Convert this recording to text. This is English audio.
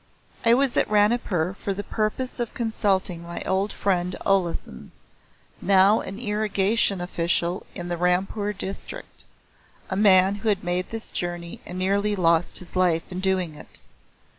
I was at Ranipur for the purpose of consulting my old friend Olesen, now an irrigation official in the Rampur district a man who had made this journey and nearly lost his life in doing it.